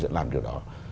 sẽ làm điều đó